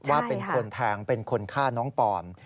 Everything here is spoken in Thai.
ว่าเป็นคนแทงเป็นคนฆ่าน้องปอม